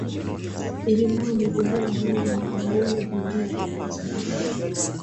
Ijumaa wamezindua ramani iliyopanuliwa ya Jumuiya ya Afrika Mashariki